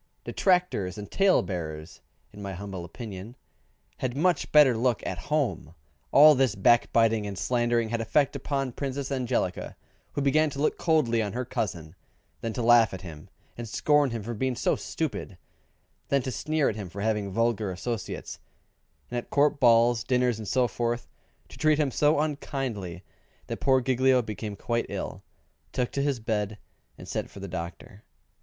Detractors and tale bearers (in my humble opinion) had much better look at home. All this backbiting and slandering had effect upon Princess Angelica, who began to look coldly upon her cousin, then to laugh at him and scorn him for being so stupid, and then to sneer at him for having vulgar associates; and at Court balls, dinners, and so forth, to treat him so unkindly that poor Giglio became quite ill, took to his bed, and sent for the doctor.